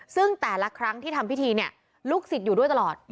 ซึ่งแต่ละครั้งที่ทำพิธีเนี่ยลูกศิษย์อยู่ด้วยตลอด